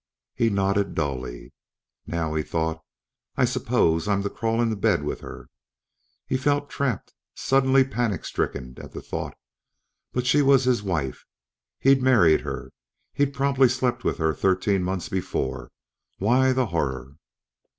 He nodded dully. Now, he thought, I suppose I'm to crawl into bed with her! He felt trapped, suddenly panic stricken at the thought; but she was his wife. He'd married her. He'd probably slept with her thirteen months before. Why the horror?